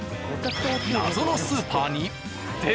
謎のスーパーに。